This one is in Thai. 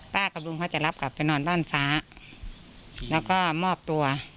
กับลุงเขาจะรับกลับไปนอนบ้านฟ้าแล้วก็มอบตัว